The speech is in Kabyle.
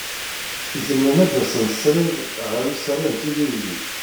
Zemren ad d-asen srid ɣer usarra n Tizi Uzzu.